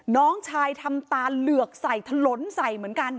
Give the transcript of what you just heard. น้องชายทำตาเหลือกใส่ถลนใส่เหมือนกัน